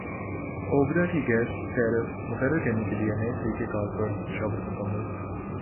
اوگرا کی gas tariff مقرر کرنے کیلئے نئے طریقہ کار پر مشاورت مکمل